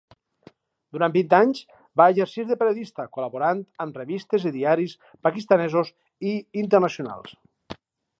Durant vint anys va exercir de periodista, col·laborant amb revistes i diaris pakistanesos i internacionals.